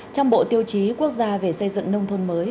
trong bộ tiêu chí quốc gia về xây dựng nông thôn mới